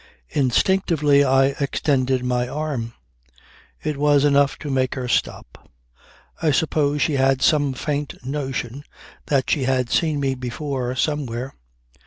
Instinctively I extended my arm. It was enough to make her stop. I suppose she had some faint notion that she had seen me before somewhere.